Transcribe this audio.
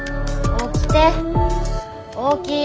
起きて！